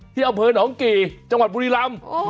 ที่เอาเพลินของกี่จังหวัดบุรีรำ